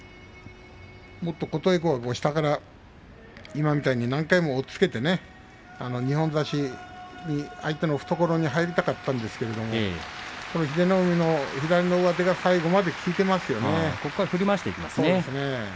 琴恵光下から何回も押っつけて二本差しした相手の懐に入りたかったんですが英乃海の左の上手が最後まで効いていましたね。